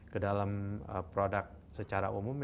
ke dalam produk secara umum